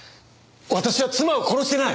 私は妻を殺してない！